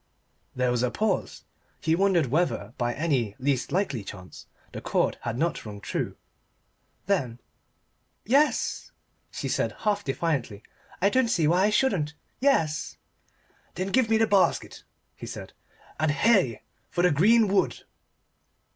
There was a pause: he wondered whether by any least likely chance the chord had not rung true. Then "Yes," she said half defiantly. "I don't see why I shouldn't Yes." "Then give me the basket," he said, "and hey for the green wood!"